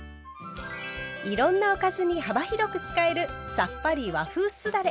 いろんなおかずに幅広く使えるさっぱり和風酢だれ。